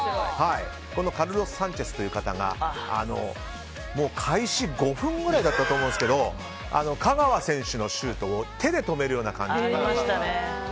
カルロス・サンチェスという方がもう開始５分ぐらいだったと思うんですけど香川選手のシュートを手で止めるような感じで。